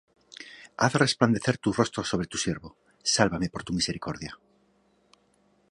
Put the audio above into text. Haz resplandecer tu rostro sobre tu siervo: Sálvame por tu misericordia.